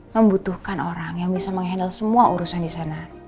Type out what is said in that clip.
membutuhkan orang yang bisa menghandle semua urusan di sana